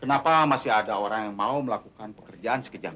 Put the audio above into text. kenapa masih ada orang yang mau melakukan pekerjaan sekejap